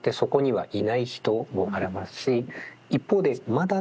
はい。